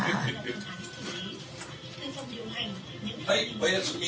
はいおやすみ。